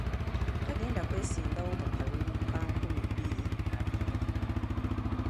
Tagenda kwesimbawo mu kalulu ka nkumi bbiri abiri mu gumu.